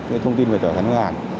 những thông tin về tài khoản ngân hàng